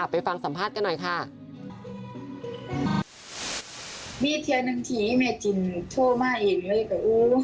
ไปฟังสัมภาษณ์กันหน่อยค่ะ